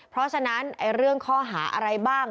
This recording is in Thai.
เพราะฉะนั้นเรื่องข้อหาอะไรบ้าง